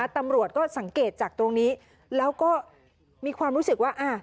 ตำรวจก็สังเกตจากตรงนี้แล้วก็มีความรู้สึกว่า